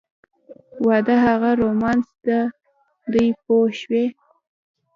واده هغه رومانس دی پوه شوې!.